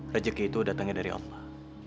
rezeki itu datangnya dari allah